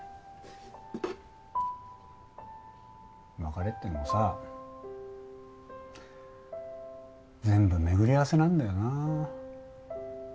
別れってのもさ全部巡り合わせなんだよな。